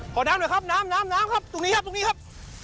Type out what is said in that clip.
ขอน้ำหน่อยครับน้ำครับตรงนี้ครับครับ